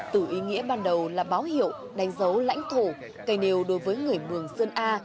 từ ý nghĩa ban đầu là báo hiệu đánh dấu lãnh thổ cây nêu đối với người mường sơn a